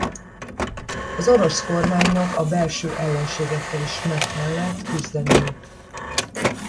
Az orosz kormánynak a belső ellenségekkel is meg kellett küzdeniük.